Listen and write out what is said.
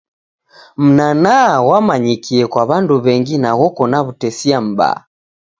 Mnanaa ghwamanyikie kwa w'andu w'engi na ghoko na wutesia m'baa.